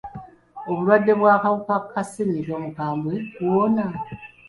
Obulwadde bw'akawuka ka ssenyiga omukambwe buwona?